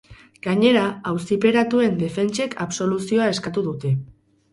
Gainera, auziperatuen defentsek absoluzioa eskatu dute.